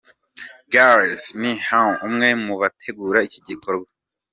Gerlzy N Mahal umwe mu bategura iki gikorwa.